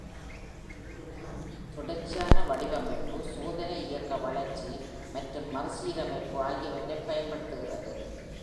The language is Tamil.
தொடர்ச்சியான வடிவமைப்பு சோதனை இயக்க வளர்ச்சி மற்றும் மறுசீரமைப்பு ஆகியவற்றைப் பயன்படுத்துகிறது.